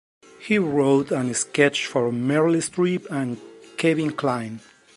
He wrote an sketch for Meryl Streep and Kevin Kline.